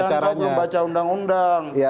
jangan jangan kau belum baca undang undang